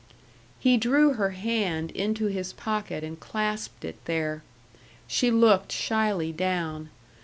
He drew her hand into his pocket and clasped it there. She looked shyly down.